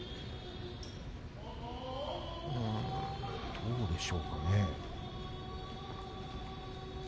どうでしょうかね。